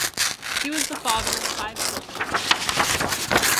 He was the father of five children.